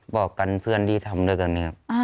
บอกกันเพื่อนที่ทำด้วยกัน